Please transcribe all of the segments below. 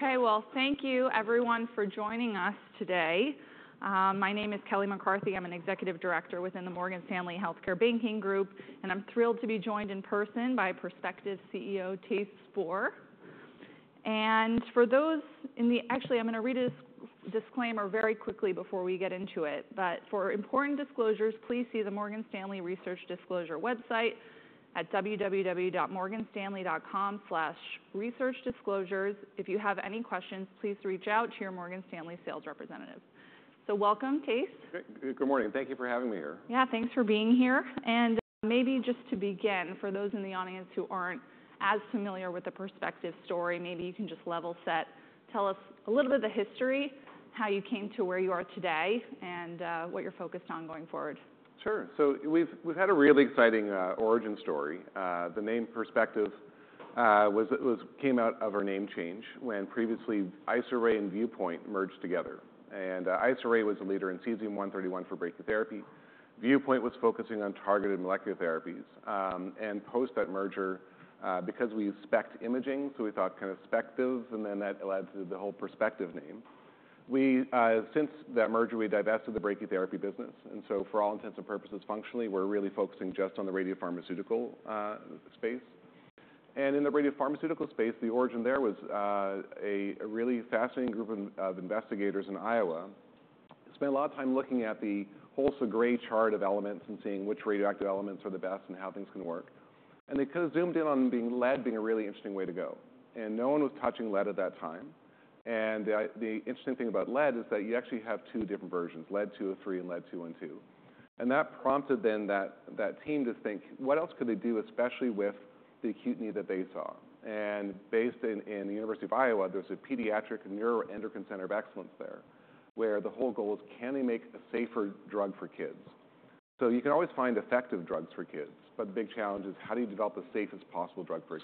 Okay, well, thank you everyone for joining us today. My name is Kelly McCarthy. I'm an executive director within the Morgan Stanley Healthcare Banking group, and I'm thrilled to be joined in person by Perspective CEO, Thijs Spoor. Actually, I'm gonna read this disclaimer very quickly before we get into it, but for important disclosures, please see the Morgan Stanley Research Disclosure website at www.morganstanley.com/researchdisclosures. If you have any questions, please reach out to your Morgan Stanley sales representative. So welcome, Thijs. Good morning. Thank you for having me here. Yeah, thanks for being here. And maybe just to begin, for those in the audience who aren't as familiar with the Perspective story, maybe you can just level set. Tell us a little bit of the history, how you came to where you are today, and what you're focused on going forward. Sure. So we've had a really exciting origin story. The name Perspective came out of our name change, when previously Isoray and Viewpoint merged together. Isoray was a leader in Cesium-131 for brachytherapy. Viewpoint was focusing on targeted molecular therapies. Post that merger, because we used SPECT imaging, so we thought kind of SPECTive, and then that led to the whole Perspective name. Since that merger, we divested the brachytherapy business, and so for all intents and purposes, functionally, we're really focusing just on the radiopharmaceutical space. In the radiopharmaceutical space, the origin there was a really fascinating group of investigators in Iowa, who spent a lot of time looking at the whole periodic table of elements and seeing which radioactive elements are the best and how things can work. They kind of zoomed in on lead being a really interesting way to go, and no one was touching lead at that time. And the interesting thing about lead is that you actually have two different versions, Lead-203 and Lead-212 And that prompted that team to think, what else could they do, especially with the acute need that they saw? And based in the University of Iowa, there's a Pediatric Neuroendocrine Center of Excellence there, where the whole goal is: can they make a safer drug for kids? So you can always find effective drugs for kids, but the big challenge is how do you develop the safest possible drug for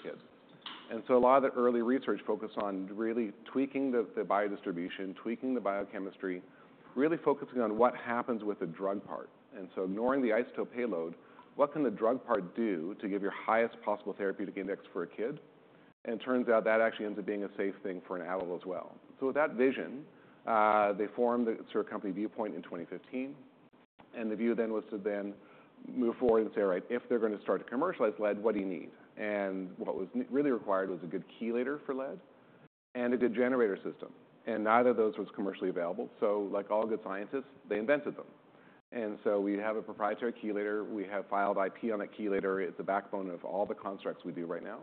a kid? And so a lot of the early research focused on really tweaking the biodistribution, tweaking the biochemistry, really focusing on what happens with the drug part. Ignoring the isotope payload, what can the drug part do to give your highest possible therapeutic index for a kid? And it turns out that actually ends up being a safe thing for an adult as well. So with that vision, they formed the sort of company Viewpoint in twenty fifteen, and the view then was to then move forward and say, "Right, if they're gonna start to commercialize lead, what do you need?" And what was really required was a good chelator for lead and a good generator system, and neither of those was commercially available. So like all good scientists, they invented them. And so we have a proprietary chelator. We have filed IP on a chelator. It's the backbone of all the constructs we do right now.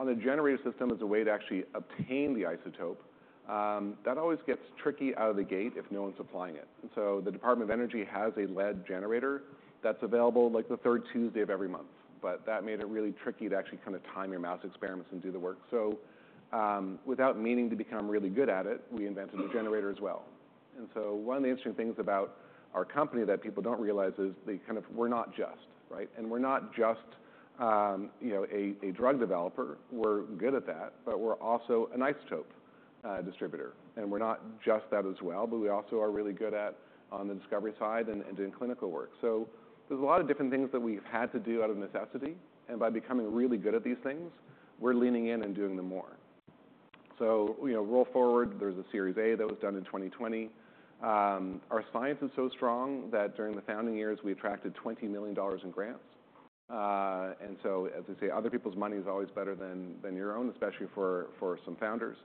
On the generator system, as a way to actually obtain the isotope, that always gets tricky out of the gate if no one's supplying it. The Department of Energy has a lead generator that's available, like, the third Tuesday of every month, but that made it really tricky to actually kind of time your mouse experiments and do the work. Without meaning to become really good at it, we invented the generator as well. One of the interesting things about our company that people don't realize is the kind of, We're not just, right? And we're not just, you know, a drug developer. We're good at that, but we're also an isotope distributor, and we're not just that as well, but we also are really good at on the discovery side and doing clinical work. So there's a lot of different things that we've had to do out of necessity, and by becoming really good at these things, we're leaning in and doing them more. So, you know, roll forward, there's a Series A that was done in 2020. Our science is so strong that during the founding years, we attracted $20 million in grants. And so as they say, other people's money is always better than your own, especially for some founders.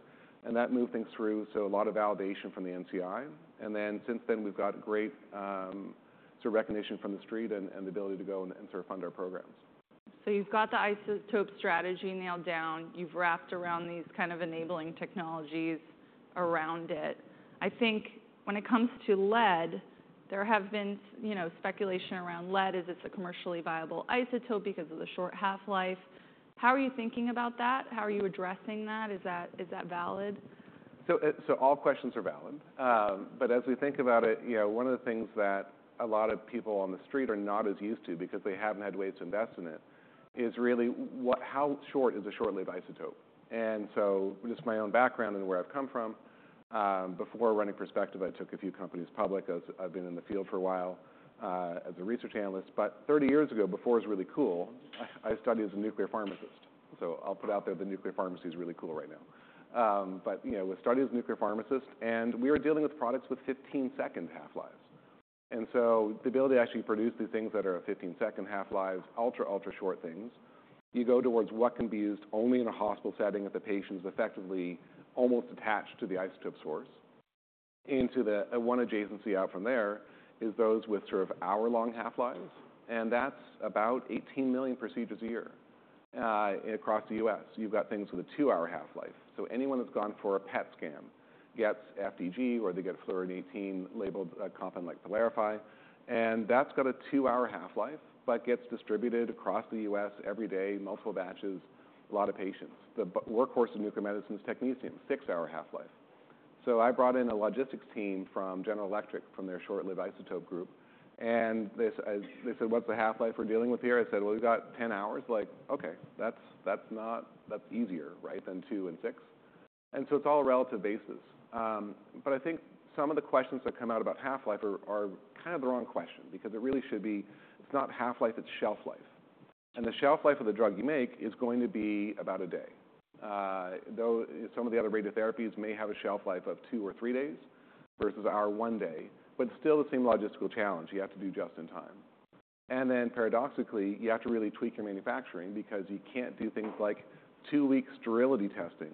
And that moved things through, so a lot of validation from the NCI. And then, since then, we've got great, sort of recognition from The Street and the ability to go and sort of fund our programs. So you've got the isotope strategy nailed down. You've wrapped around these kind of enabling technologies around it. I think when it comes to lead, there have been, you know, speculation around lead as it's a commercially viable isotope because of the short half-life. How are you thinking about that? How are you addressing that? Is that valid? So all questions are valid. But as we think about it, you know, one of the things that a lot of people on the street are not as used to because they haven't had ways to invest in it is really what, how short is a short-lived isotope? And so just my own background and where I've come from, before running Perspective, I took a few companies public. I've been in the field for a while as a research analyst. But thirty years ago, before it was really cool, I studied as a nuclear pharmacist, so I'll put out there that nuclear pharmacy is really cool right now. But you know, I started as a nuclear pharmacist, and we were dealing with products with fifteen-second half-lives. The ability to actually produce these things that are a fifteen-second half-lives, ultra, ultra-short things, you go towards what can be used only in a hospital setting, if the patient's effectively almost attached to the isotope source, into the, one adjacency out from there, is those with sort of hour-long half-lives, and that's about 18 million procedures a year, across the U.S. You've got things with a two-hour half-life. So anyone that's gone for a PET scan gets FDG, or they get Fluorine-18 labeled a compound like Pylarify, and that's got a two-hour half-life, but gets distributed across the U.S. every day, multiple batches, a lot of patients. The workhorse of nuclear medicine is technetium, six-hour half-life. So I brought in a logistics team from General Electric, from their short-lived isotope group, and they said, "What's the half-life we're dealing with here?" I said, "Well, we've got ten hours." Like, okay, that's, that's not, that's easier, right, than two and six. And so it's all a relative basis. But I think some of the questions that come out about half-life are, are kind of the wrong question because it really should be, it's not half-life, it's shelf life... and the shelf life of the drug you make is going to be about a day. Though some of the other radiotherapies may have a shelf life of two or three days versus our one day, but still the same logistical challenge, you have to do just in time. And then paradoxically, you have to really tweak your manufacturing because you can't do things like two-week sterility testing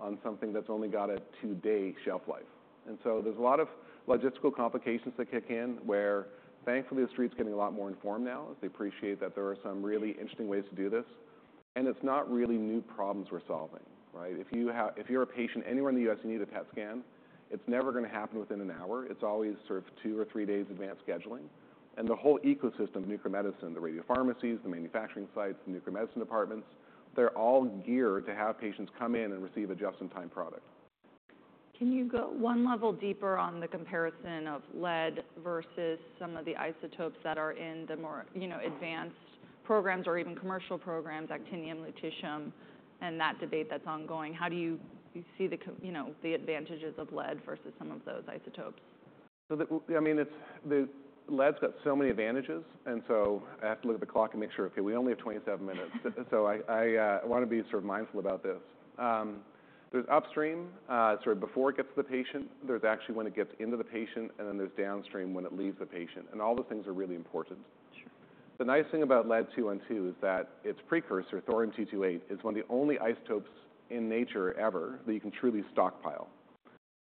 on something that's only got a two-day shelf life. And so there's a lot of logistical complications that kick in, where thankfully, the street is getting a lot more informed now, as they appreciate that there are some really interesting ways to do this. And it's not really new problems we're solving, right? If you're a patient anywhere in the U.S., and you need a PET scan, it's never gonna happen within an hour. It's always sort of two or three days advanced scheduling, and the whole ecosystem of nuclear medicine, the radio pharmacies, the manufacturing sites, the nuclear medicine departments, they're all geared to have patients come in and receive a just-in-time product. Can you go one level deeper on the comparison of lead versus some of the isotopes that are in the more, you know, advanced programs or even commercial programs, actinium, lutetium, and that debate that's ongoing? How do you see, you know, the advantages of lead versus some of those isotopes? I mean, it's the lead's got so many advantages, and so I have to look at the clock and make sure, okay, we only have 27 minutes. So I want to be sort of mindful about this. There's upstream, sort of before it gets to the patient, there's actually when it gets into the patient, and then there's downstream when it leaves the patient, and all the things are really important. Sure. The nice thing about Lead-212 is that its precursor, Thorium-228, is one of the only isotopes in nature ever that you can truly stockpile.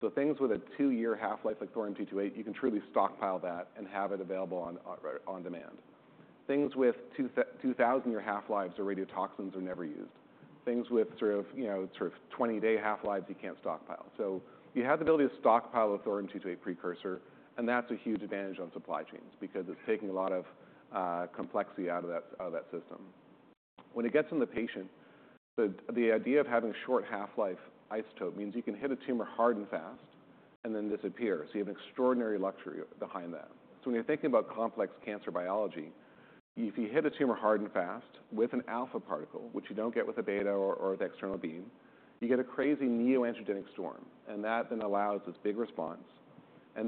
So things with a two-year half-life, like Thorium-228, you can truly stockpile that and have it available on demand. Things with two thousand year half-lives or radiotoxins are never used. Things with sort of, you know, sort of twenty-day half-lives, you can't stockpile. So you have the ability to stockpile a Thorium-228 precursor, and that's a huge advantage on supply chains because it's taking a lot of complexity out of that system. When it gets in the patient, the idea of having short half-life isotope means you can hit a tumor hard and fast and then disappear, so you have an extraordinary luxury behind that. When you're thinking about complex cancer biology, if you hit a tumor hard and fast with an alpha particle, which you don't get with a beta or with external beam, you get a crazy neoantigen storm, and that then allows this big response.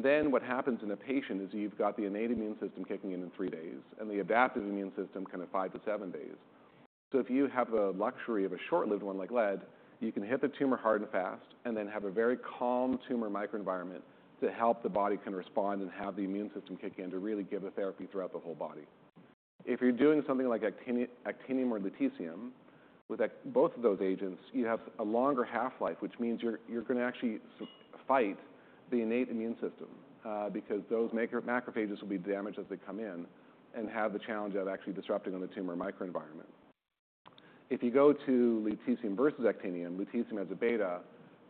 What happens in the patient is you've got the innate immune system kicking in in three days, and the adaptive immune system kind of five to seven days. If you have a luxury of a short-lived one like lead, you can hit the tumor hard and fast and then have a very calm tumor microenvironment to help the body kind of respond and have the immune system kick in to really give a therapy throughout the whole body. If you're doing something like actinium or lutetium, with both of those agents, you have a longer half-life, which means you're gonna actually fight the innate immune system, because those macrophages will be damaged as they come in and have the challenge of actually disrupting on the tumor microenvironment. If you go to lutetium versus actinium, lutetium as a beta,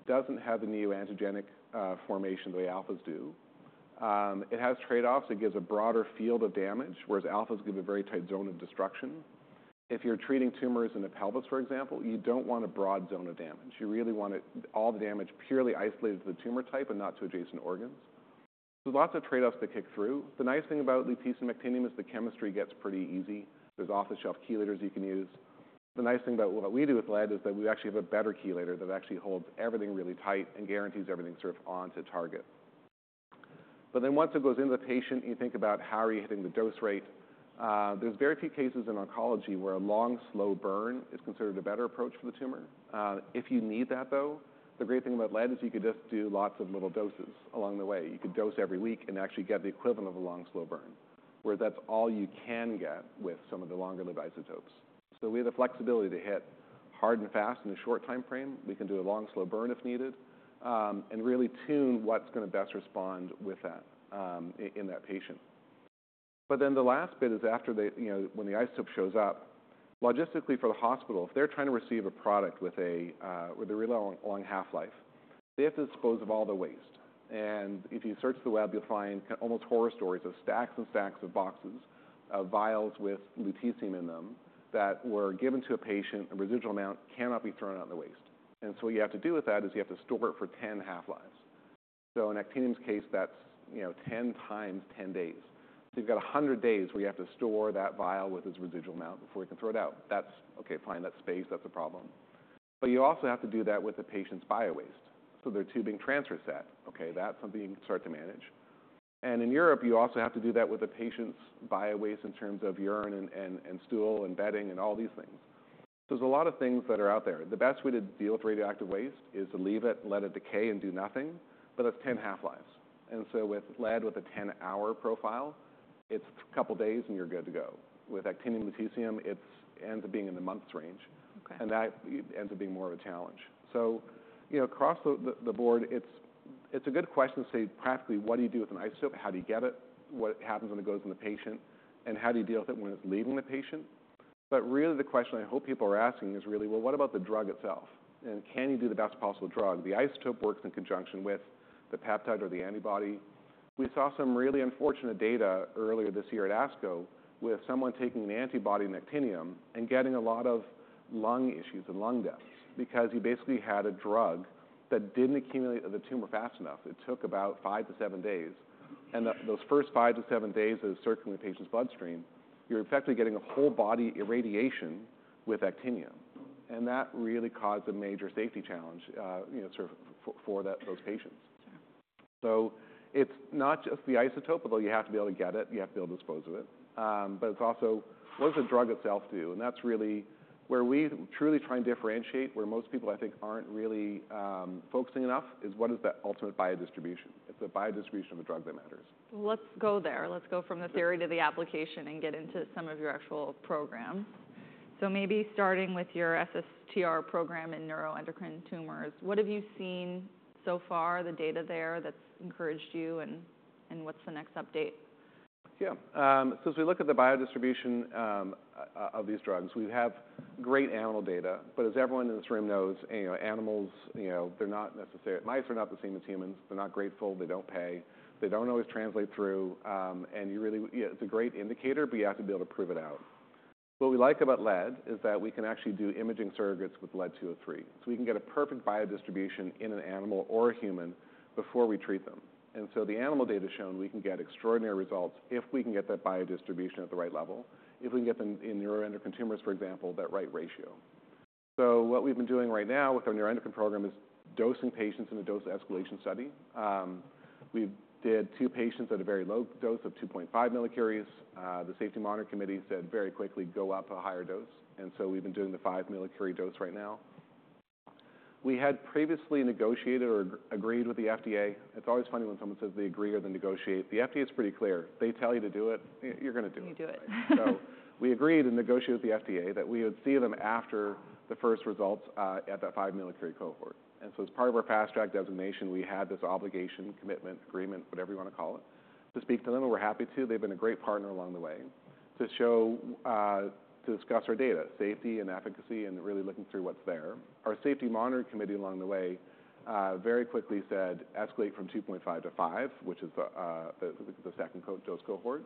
doesn't have the neoantigen formation the way alphas do. It has trade-offs. It gives a broader field of damage, whereas alphas give a very tight zone of destruction. If you're treating tumors in the pelvis, for example, you don't want a broad zone of damage. You really want it all the damage purely isolated to the tumor type and not to adjacent organs. There's lots of trade-offs that kick through. The nice thing about lutetium and actinium is the chemistry gets pretty easy. There's off-the-shelf chelators you can use. The nice thing about what we do with lead is that we actually have a better chelator that actually holds everything really tight and guarantees everything sort of on to target. But then once it goes into the patient, you think about how are you hitting the dose rate? There's very few cases in oncology where a long, slow burn is considered a better approach for the tumor. If you need that, though, the great thing about lead is you could just do lots of little doses along the way. You could dose every week and actually get the equivalent of a long, slow burn, where that's all you can get with some of the longer-lived isotopes. So we have the flexibility to hit hard and fast in a short time frame. We can do a long, slow burn if needed, and really tune what's gonna best respond with that, in that patient. But then the last bit is after the, you know, when the isotope shows up, logistically for the hospital, if they're trying to receive a product with a, with a really long, long half-life, they have to dispose of all the waste, and if you search the web, you'll find almost horror stories of stacks and stacks of boxes of vials with lutetium in them that were given to a patient. A residual amount cannot be thrown out in the waste. And so what you have to do with that is you have to store it for 10 half-lives. So in actinium's case, that's, you know, 10 times 10 days. So you've got a hundred days where you have to store that vial with its residual amount before you can throw it out. That's... Okay, fine, that's space, that's a problem. But you also have to do that with the patient's biowaste. So their tubing transfer set, okay, that's something you can start to manage. And in Europe, you also have to do that with the patient's biowaste in terms of urine and stool and bedding and all these things. There's a lot of things that are out there. The best way to deal with radioactive waste is to leave it, let it decay, and do nothing, but that's ten half-lives. And so with lead, with a ten-hour profile, it's a couple of days, and you're good to go. With actinium, lutetium, it's ends up being in the months range- Okay. And that ends up being more of a challenge. So, you know, across the board, it's a good question to say practically, what do you do with an isotope? How do you get it? What happens when it goes in the patient, and how do you deal with it when it's leaving the patient? But really, the question I hope people are asking is really: Well, what about the drug itself, and can you do the best possible drug? The isotope works in conjunction with the peptide or the antibody. We saw some really unfortunate data earlier this year at ASCO with someone taking an antibody in actinium and getting a lot of lung issues and lung deaths because you basically had a drug that didn't accumulate in the tumor fast enough. It took about five to seven days, and those first five to seven days, it was circulating in the patient's bloodstream. You're effectively getting a whole body irradiation with actinium, and that really caused a major safety challenge, you know, sort of for those patients. It's not just the isotope, although you have to be able to get it. You have to be able to dispose of it. But it's also, what does the drug itself do? And that's really where we truly try and differentiate, where most people, I think, aren't really focusing enough, is what is the ultimate biodistribution? It's the biodistribution of a drug that matters. Let's go there. Let's go from the theory to the application and get into some of your actual programs. Maybe starting with your SSTR program in neuroendocrine tumors, what have you seen so far, the data there, that's encouraged you, and what's the next update? Yeah. So as we look at the biodistribution of these drugs, we have great animal data. But as everyone in this room knows, you know, animals, you know, they're not necessarily. Mice are not the same as humans. They're not grateful, they don't pay, they don't always translate through. Yeah, it's a great indicator, but you have to be able to prove it out. What we like about lead is that we can actually do imaging surrogates with Lead-203. So we can get a perfect biodistribution in an animal or a human before we treat them. And so the animal data has shown we can get extraordinary results if we can get that biodistribution at the right level, if we can get them in neuroendocrine tumors, for example, that right ratio. So what we've been doing right now with our neuroendocrine program is dosing patients in a dose-escalation study. We did two patients at a very low dose of two point five millicuries. The Safety Monitoring Committee said very quickly, "Go up a higher dose," and so we've been doing the five millicurie dose right now. We had previously negotiated or agreed with the FDA. It's always funny when someone says they agree or they negotiate. The FDA's pretty clear. If they tell you to do it, you're gonna do it. You do it. So we agreed and negotiated with the FDA that we would see them after the first results at that five millicurie cohort. And so as part of our Fast Track designation, we had this obligation, commitment, agreement, whatever you want to call it, to speak to them, and we're happy to. They've been a great partner along the way. To show, to discuss our data, safety and efficacy, and really looking through what's there. Our Safety Monitoring Committee along the way very quickly said, "Escalate from two point five to five," which is the second dose cohort.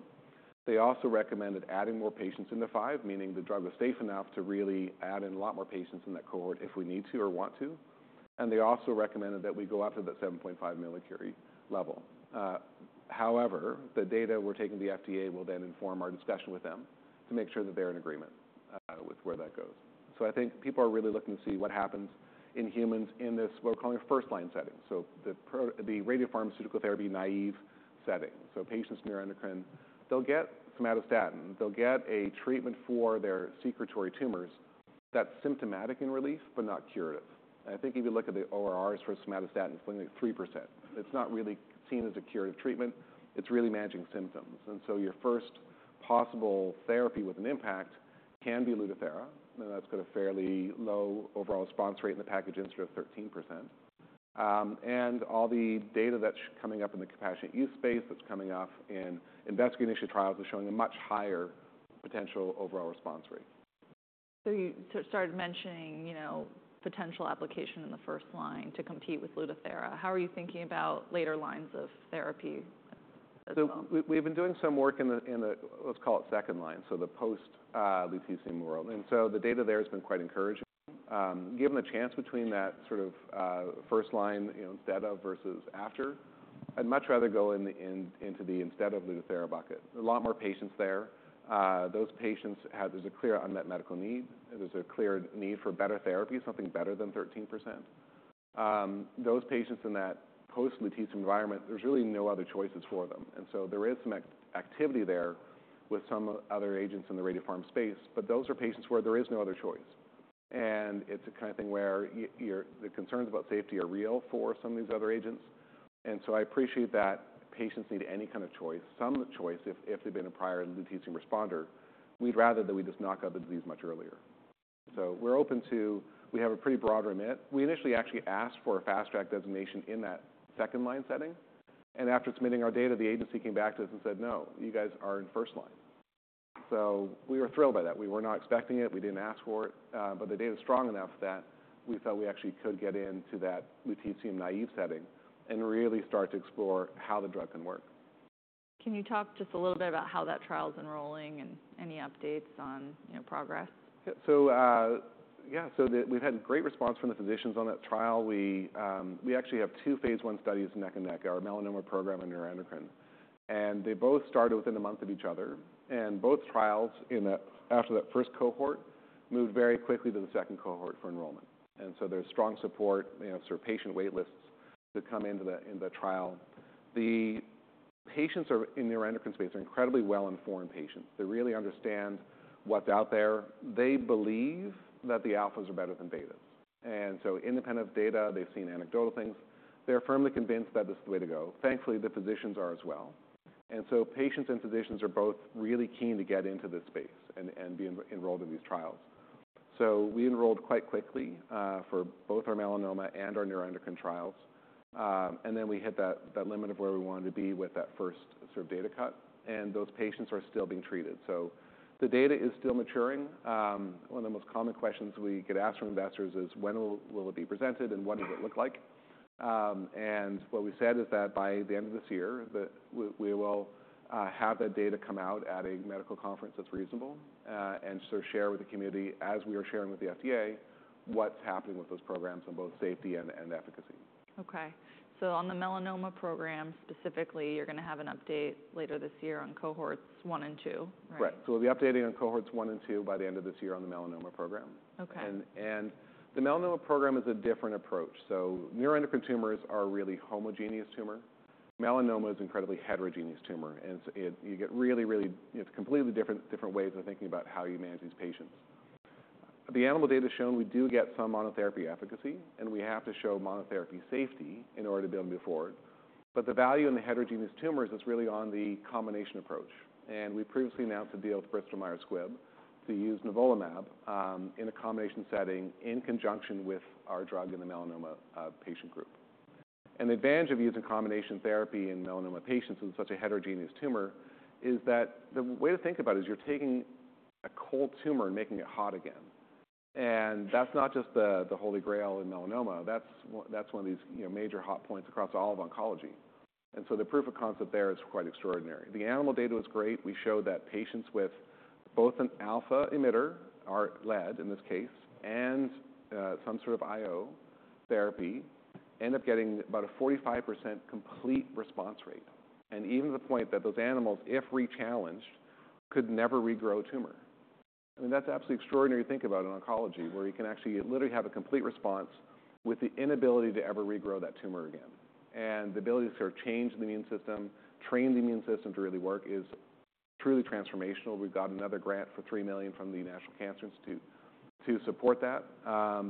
They also recommended adding more patients in the five, meaning the drug was safe enough to really add in a lot more patients in that cohort if we need to or want to. And they also recommended that we go up to that seven point five millicurie level. However, the data we're taking to the FDA will then inform our discussion with them to make sure that they're in agreement with where that goes. So I think people are really looking to see what happens in humans in this, what we're calling a first-line setting. So the radiopharmaceutical therapy, naive setting. So patients neuroendocrine, they'll get somatostatin, they'll get a treatment for their secretory tumors that's symptomatic in relief, but not curative. And I think if you look at the ORRs for somatostatin, it's only 3%. It's not really seen as a curative treatment, it's really managing symptoms. And so your first possible therapy with an impact can be Lutathera, and that's got a fairly low overall response rate in the package insert of 13%. And all the data that's coming up in the compassionate use space, that's coming up in investigator-initiated trials, are showing a much higher potential overall response rate. So you sort of started mentioning, you know, potential application in the first line to compete with Lutathera. How are you thinking about later lines of therapy as well? So we've been doing some work in the... let's call it second line, so the post lutetium world. And so the data there has been quite encouraging. Given the chance between that sort of first line, you know, instead of versus after, I'd much rather go into the instead of Lutathera bucket. There are a lot more patients there. Those patients have. There's a clear unmet medical need. There's a clear need for better therapy, something better than 13%. Those patients in that post lutetium environment, there's really no other choices for them, and so there is some activity there with some other agents in the radiopharm space, but those are patients where there is no other choice. And it's the kind of thing where the concerns about safety are real for some of these other agents, and so I appreciate that patients need any kind of choice, some choice if, if they've been a prior Lutetium responder. We'd rather that we just knock out the disease much earlier. So we're open to... We have a pretty broad remit. We initially actually asked for a Fast Track designation in that second line setting, and after submitting our data, the agency came back to us and said, "No, you guys are in first line." So we were thrilled by that. We were not expecting it, we didn't ask for it, but the data is strong enough that we thought we actually could get into that Lutetium-177 setting and really start to explore how the drug can work. Can you talk just a little bit about how that trial is enrolling and any updates on, you know, progress? Yeah. So, yeah, so we've had great response from the physicians on that trial. We actually have two phase II studies neck and neck, our melanoma program and neuroendocrine, and they both started within a month of each other. And both trials after that first cohort moved very quickly to the second cohort for enrollment. And so there's strong support, you know, sort of patient wait lists to come into the trial. The patients, in neuroendocrine space, are incredibly well-informed patients. They really understand what's out there. They believe that the alphas are better than betas. And so independent data, they've seen anecdotal things. They're firmly convinced that this is the way to go. Thankfully, the physicians are as well. Patients and physicians are both really keen to get into this space and be enrolled in these trials. We enrolled quite quickly for both our melanoma and our neuroendocrine trials. Then we hit that limit of where we wanted to be with that first sort of data cut, and those patients are still being treated. The data is still maturing. One of the most common questions we get asked from investors is: When will it be presented, and what does it look like? What we said is that by the end of this year, we will have that data come out at a medical conference that's reasonable, and so share with the community, as we are sharing with the FDA, what's happening with those programs on both safety and efficacy. Okay, so on the melanoma program, specifically, you're gonna have an update later this year on cohorts one and two, right? Right. So we'll be updating on cohorts one and two by the end of this year on the melanoma program. Okay. The melanoma program is a different approach. Neuroendocrine tumors are a really homogeneous tumor. Melanoma is an incredibly heterogeneous tumor, and you get really, you know, completely different ways of thinking about how you manage these patients. The animal data's shown we do get some monotherapy efficacy, and we have to show monotherapy safety in order to be able to move forward. The value in the heterogeneous tumors is really on the combination approach, and we previously announced a deal with Bristol Myers Squibb to use nivolumab in a combination setting in conjunction with our drug in the melanoma patient group. An advantage of using combination therapy in melanoma patients with such a heterogeneous tumor is that the way to think about it is you're taking a cold tumor and making it hot again, and that's not just the Holy Grail in melanoma, that's one, that's one of these, you know, major hot points across all of oncology, and so the proof of concept there is quite extraordinary. The animal data was great. We showed that patients with both an alpha emitter, our lead in this case, and some sort of IO therapy end up getting about a 45% complete response rate, and even to the point that those animals, if rechallenged, could never regrow a tumor. I mean, that's absolutely extraordinary to think about in oncology, where you can actually literally have a complete response with the inability to ever regrow that tumor again. The ability to sort of change the immune system, train the immune system to really work, is truly transformational. We've got another grant for three million from the National Cancer Institute to support that,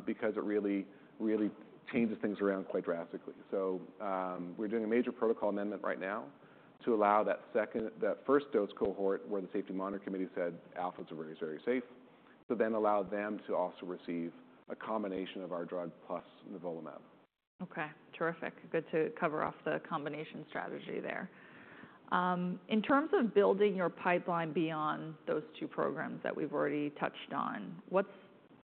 because it really, really changes things around quite drastically. We're doing a major protocol amendment right now to allow that first dose cohort, where the safety monitoring committee said alphas are very, very safe, to then allow them to also receive a combination of our drug plus nivolumab. Okay, terrific. Good to cover off the combination strategy there. In terms of building your pipeline beyond those two programs that we've already touched on, what's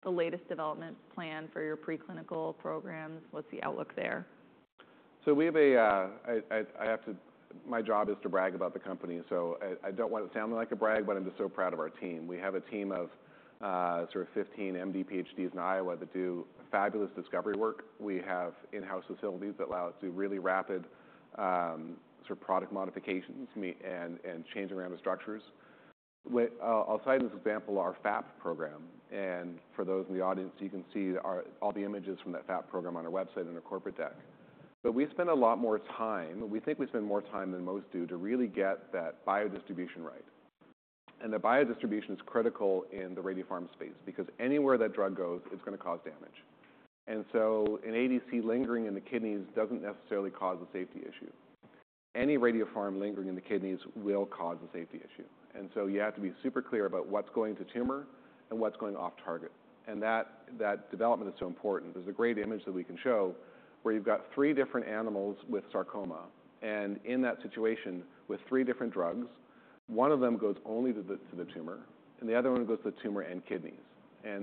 the latest development plan for your preclinical programs? What's the outlook there? I have to, my job is to brag about the company, so I don't want it to sound like a brag, but I'm just so proud of our team. We have a team of sort of 15 MD PhDs in Iowa that do fabulous discovery work. We have in-house facilities that allow us to do really rapid, sort of product modifications, and change around the structures. I'll cite as an example, our FAP program, and for those in the audience, you can see all the images from that FAP program on our website in our corporate deck. But we spend a lot more time, we think we spend more time than most do, to really get that biodistribution right. The biodistribution is critical in the radiopharm space because anywhere that drug goes, it's gonna cause damage. So an ADC lingering in the kidneys doesn't necessarily cause a safety issue. Any radiopharm lingering in the kidneys will cause a safety issue, and so you have to be super clear about what's going to tumor and what's going off target, and that development is so important. There's a great image that we can show where you've got three different animals with sarcoma, and in that situation, with three different drugs, one of them goes only to the tumor, and the other one goes to the tumor and kidneys.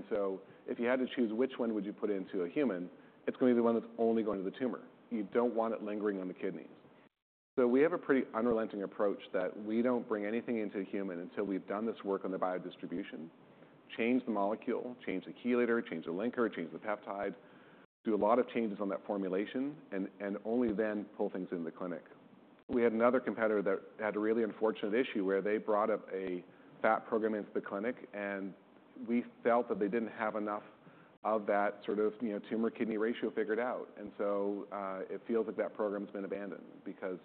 So if you had to choose, which one would you put into a human? It's gonna be the one that's only going to the tumor. You don't want it lingering on the kidneys. So we have a pretty unrelenting approach that we don't bring anything into a human until we've done this work on the biodistribution, changed the molecule, changed the chelator, changed the linker, changed the peptide, do a lot of changes on that formulation, and only then pull things into the clinic. We had another competitor that had a really unfortunate issue where they brought up a FAP program into the clinic, and we felt that they didn't have enough of that sort of, you know, tumor-kidney ratio figured out. And so it feels like that program's been abandoned because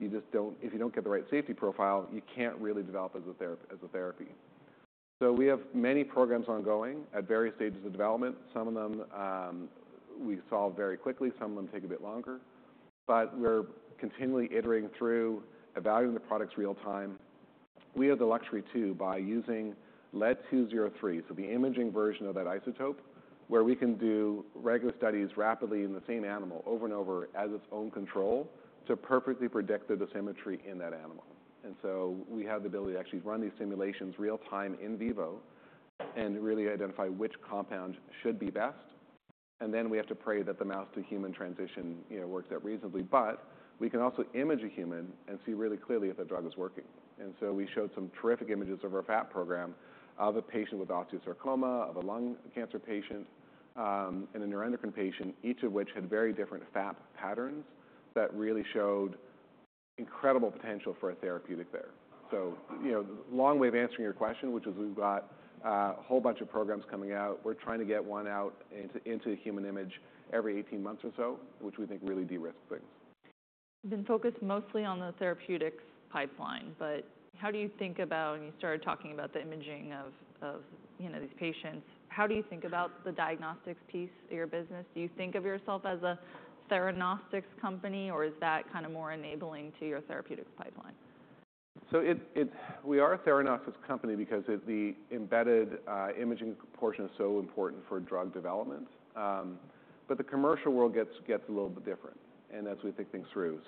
you just don't if you don't get the right safety profile, you can't really develop as a therapy. So we have many programs ongoing at various stages of development. Some of them, we solve very quickly, some of them take a bit longer, but we're continually iterating through, evaluating the products real time. We have the luxury, too, by using Lead-203, so the imaging version of that isotope, where we can do regular studies rapidly in the same animal over and over as its own control to perfectly predict the dosimetry in that animal, and so we have the ability to actually run these simulations real time in vivo and really identify which compound should be best, and then we have to pray that the mouse-to-human transition, you know, works out reasonably, but we can also image a human and see really clearly if that drug is working. And so we showed some terrific images of our FAP program, of a patient with osteosarcoma, of a lung cancer patient, and a neuroendocrine patient, each of which had very different FAP patterns that really showed incredible potential for a therapeutic there. So, you know, long way of answering your question, which is we've got a whole bunch of programs coming out. We're trying to get one out into a human image every eighteen months or so, which we think really de-risks things. We've been focused mostly on the therapeutics pipeline, but how do you think about... And you started talking about the imaging of, you know, these patients. How do you think about the diagnostics piece of your business? Do you think of yourself as a theranostics company, or is that kind of more enabling to your therapeutics pipeline? So we are a theranostics company because of the embedded imaging portion is so important for drug development. But the commercial world gets a little bit different, and as we think things through.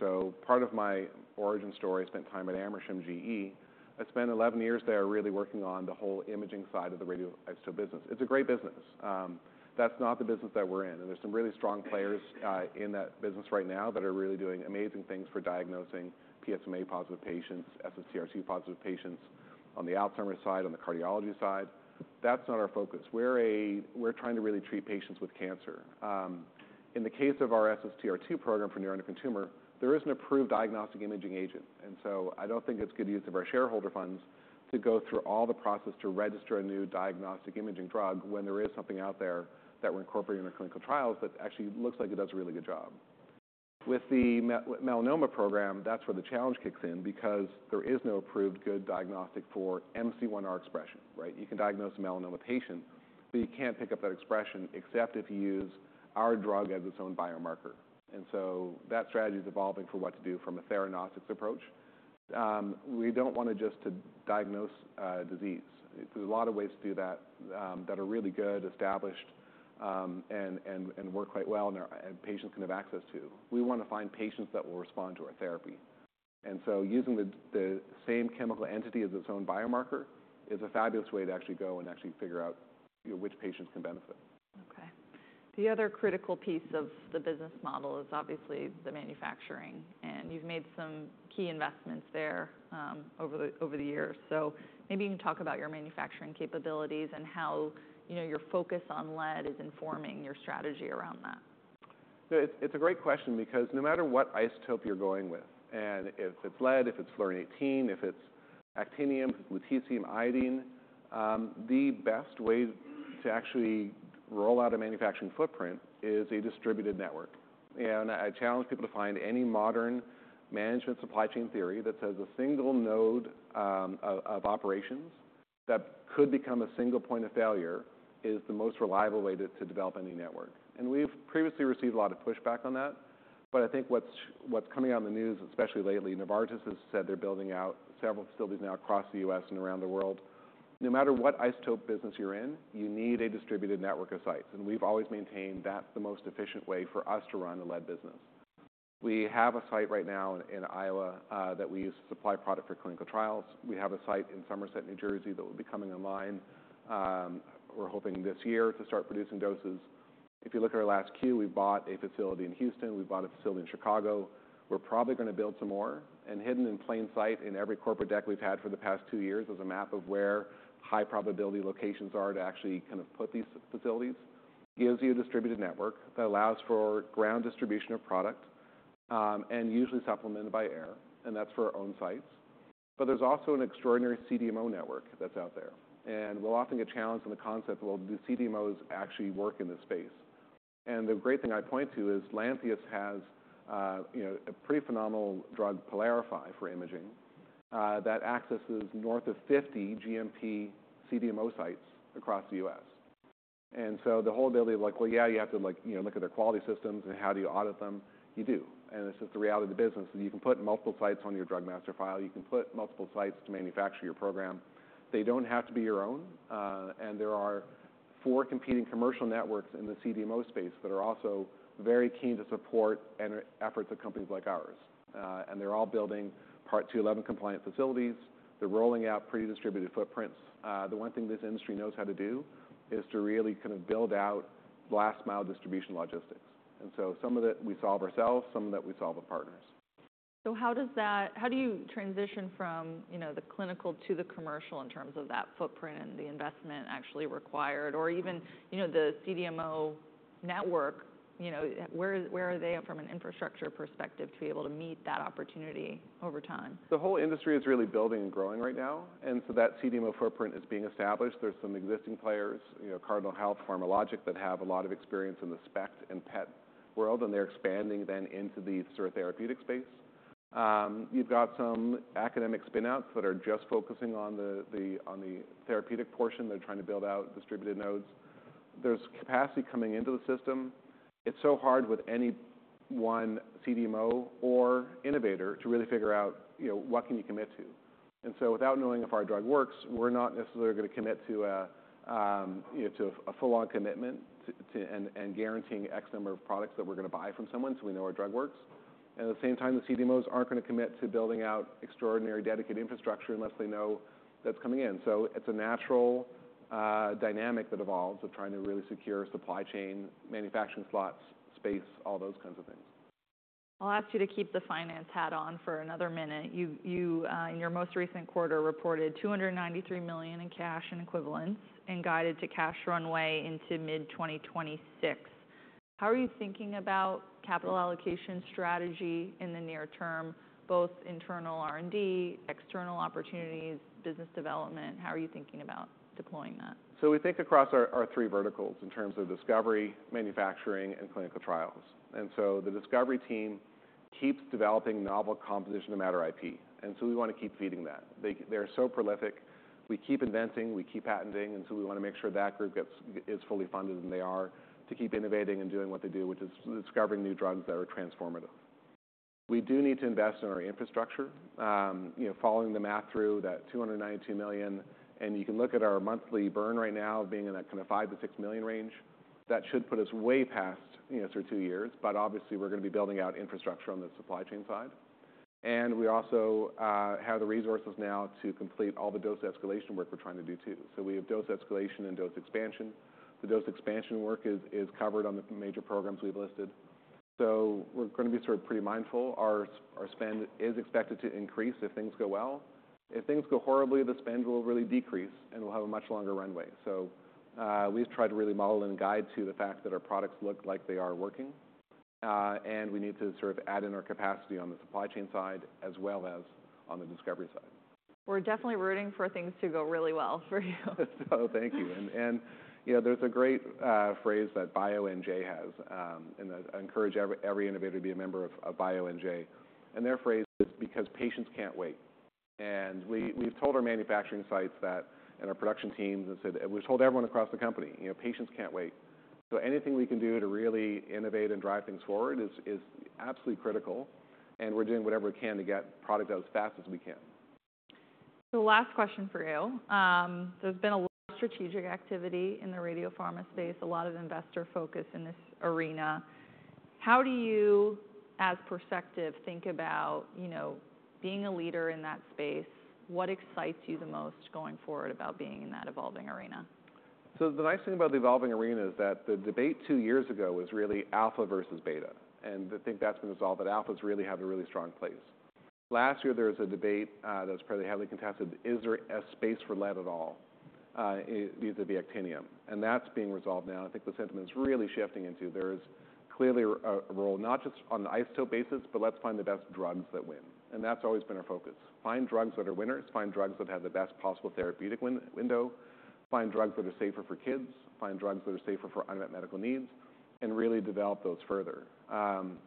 Part of my origin story, I spent time at Amersham GE. I spent 11 years there really working on the whole imaging side of the radioisotope business. It's a great business. That's not the business that we're in, and there's some really strong players in that business right now that are really doing amazing things for diagnosing PSMA-positive patients, SSTR-positive patients, on the Alzheimer's side, on the cardiology side. That's not our focus. We're trying to really treat patients with cancer. In the case of our SSTR2 program for neuroendocrine tumor, there is an approved diagnostic imaging agent, and so I don't think it's good use of our shareholder funds to go through all the process to register a new diagnostic imaging drug when there is something out there that we're incorporating in our clinical trials that actually looks like it does a really good job. With the melanoma program, that's where the challenge kicks in, because there is no approved good diagnostic for MC1R expression, right? You can diagnose a melanoma patient, but you can't pick up that expression except if you use our drug as its own biomarker. And so that strategy is evolving for what to do from a theranostics approach. We don't want to just diagnose disease. There's a lot of ways to do that that are really good, established, and work quite well, and patients can have access to. We want to find patients that will respond to our therapy. And so using the same chemical entity as its own biomarker is a fabulous way to actually go and actually figure out, you know, which patients can benefit. Okay. The other critical piece of the business model is obviously the manufacturing, and you've made some key investments there, over the years. So maybe you can talk about your manufacturing capabilities and how, you know, your focus on lead is informing your strategy around that. So it's a great question because no matter what isotope you're going with, and if it's lead, if it's fluorine-eighteen, if it's actinium, if it's lutetium, iodine, the best way to actually roll out a manufacturing footprint is a distributed network. And I challenge people to find any modern management supply chain theory that says a single node of operations that could become a single point of failure, is the most reliable way to develop any network. And we've previously received a lot of pushback on that, but I think what's coming out in the news, especially lately, Novartis has said they're building out several facilities now across the U.S. and around the world. No matter what isotope business you're in, you need a distributed network of sites, and we've always maintained that's the most efficient way for us to run a lead business. We have a site right now in Iowa that we use to supply product for clinical trials. We have a site in Somerset, New Jersey, that will be coming online, we're hoping this year, to start producing doses. If you look at our last Q, we bought a facility in Houston, we bought a facility in Chicago. We're probably gonna build some more, and hidden in plain sight in every corporate deck we've had for the past two years is a map of where high-probability locations are to actually kind of put these facilities. It gives you a distributed network that allows for ground distribution of product, and usually supplemented by air, and that's for our own sites. There's also an extraordinary CDMO network that's out there, and we'll often get challenged on the concept, "Well, do CDMOs actually work in this space?" The great thing I'd point to is Lantheus has, you know, a pretty phenomenal drug, Pylarify, for imaging, that accesses north of 50 GMP CDMO sites across the U.S. So the whole ability of like, well, yeah, you have to like, you know, look at their quality systems and how do you audit them? You do. It's just the reality of the business, and you can put multiple sites on your drug master file. You can put multiple sites to manufacture your program. They don't have to be your own, and there are four competing commercial networks in the CDMO space that are also very keen to support and efforts of companies like ours. and they're all building Part 11 compliant facilities. They're rolling out pre-distributed footprints. The one thing this industry knows how to do is to really kind of build out last-mile distribution logistics. And so some of it we solve ourselves, some of it we solve with partners. So how do you transition from, you know, the clinical to the commercial in terms of that footprint and the investment actually required, or even, you know, the CDMO network, you know, where are they from an infrastructure perspective to be able to meet that opportunity over time? The whole industry is really building and growing right now, and so that CDMO footprint is being established. There's some existing players, you know, Cardinal Health, PharmaLogic, that have a lot of experience in the SPECT and PET world, and they're expanding then into the sort of therapeutic space. You've got some academic spin-outs that are just focusing on the therapeutic portion. They're trying to build out distributed nodes. There's capacity coming into the system. It's so hard with any one CDMO or innovator to really figure out, you know, what can you commit to? And so without knowing if our drug works, we're not necessarily gonna commit to a full-on commitment to guaranteeing X number of products that we're gonna buy from someone, so we know our drug works. At the same time, the CDMOs aren't gonna commit to building out extraordinary dedicated infrastructure unless they know that's coming in. It's a natural dynamic that evolves of trying to really secure supply chain, manufacturing slots, space, all those kinds of things. I'll ask you to keep the finance hat on for another minute. You in your most recent quarter reported $293 million in cash and equivalents, and guided to cash runway into mid-2026. How are you thinking about capital allocation strategy in the near term, both internal R&D, external opportunities, business development? How are you thinking about deploying that? So we think across our three verticals in terms of discovery, manufacturing, and clinical trials. And so the discovery team keeps developing novel composition of matter IP, and so we want to keep feeding that. They're so prolific. We keep inventing, we keep patenting, and so we want to make sure that group is fully funded, and they are, to keep innovating and doing what they do, which is discovering new drugs that are transformative. We do need to invest in our infrastructure. You know, following the math through that $292 million, and you can look at our monthly burn right now being in that kind of $5 million to $6 million range. That should put us way past, you know, sort of two years, but obviously, we're gonna be building out infrastructure on the supply chain side. And we also have the resources now to complete all the dose escalation work we're trying to do too. So we have dose escalation and dose expansion. The dose expansion work is covered on the major programs we've listed, so we're gonna be sort of pretty mindful. Our spend is expected to increase if things go well. If things go horribly, the spend will really decrease, and we'll have a much longer runway. So we've tried to really model and guide to the fact that our products look like they are working, and we need to sort of add in our capacity on the supply chain side as well as on the discovery side.... We're definitely rooting for things to go really well for you. So thank you, and you know, there's a great phrase that BioNJ has, and I encourage every innovator to be a member of BioNJ, and their phrase is, "Because patients can't wait." And we, we've told our manufacturing sites that, and our production teams and said... We've told everyone across the company, you know, "Patients can't wait." So anything we can do to really innovate and drive things forward is absolutely critical, and we're doing whatever we can to get product out as fast as we can. So the last question for you, there's been a lot of strategic activity in the radiopharma space, a lot of investor focus in this arena. How do you, as Perspective, think about, you know, being a leader in that space? What excites you the most going forward about being in that evolving arena? So the nice thing about the evolving arena is that the debate two years ago was really alpha versus beta, and I think that's been resolved, that alphas really have a really strong place. Last year, there was a debate that was fairly heavily contested: Is there a space for lead at all vis-à-vis actinium? And that's being resolved now, and I think the sentiment is really shifting into there is clearly a role, not just on the isotope basis, but let's find the best drugs that win, and that's always been our focus. Find drugs that are winners, find drugs that have the best possible therapeutic window, find drugs that are safer for kids, find drugs that are safer for unmet medical needs, and really develop those further.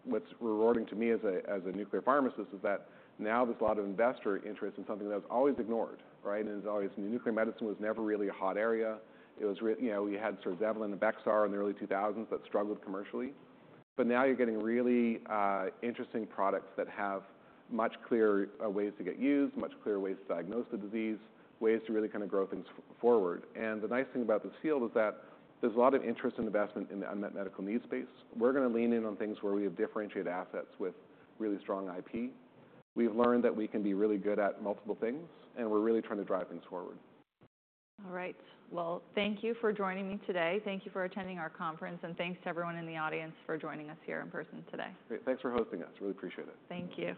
What's rewarding to me as a nuclear pharmacist is that now there's a lot of investor interest in something that was always ignored, right? It was always nuclear medicine never really a hot area. It was, you know, you had sort of Zevalin and Bexxar in the early 2000s that struggled commercially, but now you're getting really interesting products that have much clearer ways to get used, much clearer ways to diagnose the disease, ways to really kind of grow things forward. The nice thing about this field is that there's a lot of interest and investment in the unmet medical needs space. We're gonna lean in on things where we have differentiated assets with really strong IP. We've learned that we can be really good at multiple things, and we're really trying to drive things forward. All right. Thank you for joining me today. Thank you for attending our conference, and thanks to everyone in the audience for joining us here in person today. Great. Thanks for hosting us. Really appreciate it. Thank you.